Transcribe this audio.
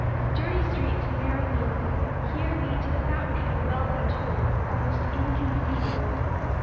Dirty streets and narrow lanes here lead to the fountain head of wealth untold almost inconceivable.